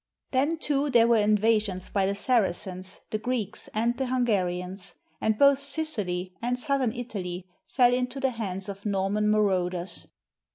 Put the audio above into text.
Then, too, there were invasions by the Saracens, the Greeks, and the Hungarians; and both Sicily and southern Italy fell into the hands of Norman marauders.